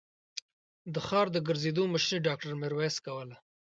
د ښار د ګرځېدو مشري ډاکټر ميرويس کوله.